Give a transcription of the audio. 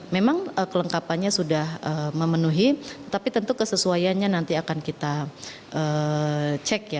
memang kelengkapannya sudah memenuhi tapi tentu kesesuaiannya nanti akan kita cek ya